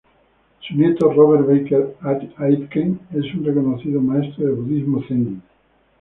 Su nieto, Robert Baker Aitken, es un reconocido maestro de Budismo Zen.